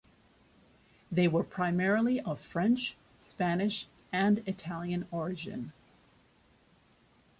They were primarily of French, Spanish and Italian origin.